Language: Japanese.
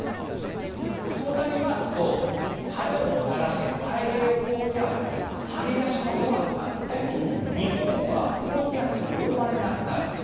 そうなりますと晴れをもたらしていた太平洋高気圧の張り出しも弱くなって日本は高気圧に覆われなくなる。